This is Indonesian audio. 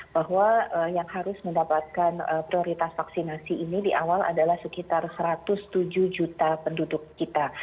bahwa yang harus mendapatkan prioritas vaksinasi ini di awal adalah sekitar satu ratus tujuh juta penduduk kita